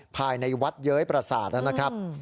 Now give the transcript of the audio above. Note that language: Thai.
ภายในวัดเย้ยประสาทนะครับ